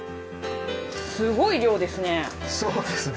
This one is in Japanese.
すごい量ですね。